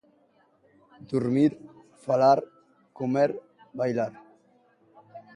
Durmir, falar, comer, bailar.